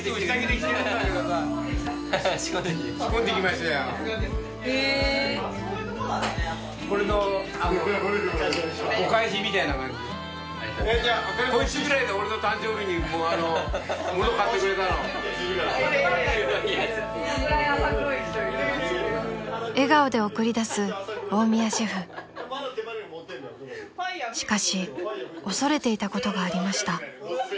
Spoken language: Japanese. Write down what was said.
［しかし恐れていたことがありました］